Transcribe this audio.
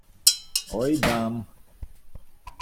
Ой, дам...